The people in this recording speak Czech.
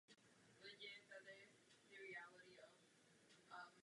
Vařit, slečno Gloryová.